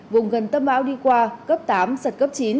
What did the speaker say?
vùng gần tâm bão đi qua cấp tám giật cấp chín